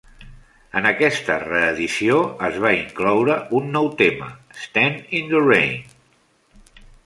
En aquesta reedició es va incloure un nou tema, "Stand in the Rain".